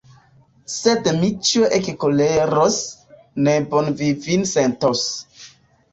Se Dmiĉjo ekkoleros, nebone vi vin sentos!